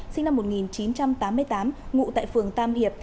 sinh năm một nghìn chín trăm tám mươi tám ngụ tại phường tam hiệp